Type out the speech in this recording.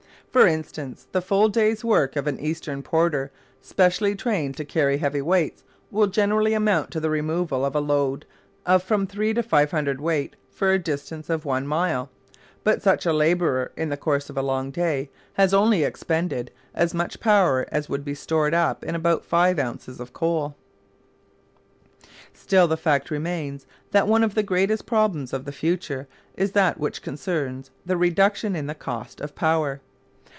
For instance, the full day's work of an Eastern porter, specially trained to carry heavy weights, will generally amount to the removal of a load of from three to five hundred weight for a distance of one mile; but such a labourer in the course of a long day has only expended as much power as would be stored up in about five ounces of coal. Still the fact remains that one of the greatest problems of the future is that which concerns the reduction in the cost of power.